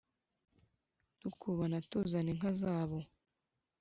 dukubana tuzana inka zabo